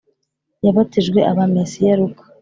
yabatijwe aba Mesiya Luka